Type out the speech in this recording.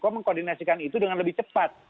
mengkoordinasikan itu dengan lebih cepat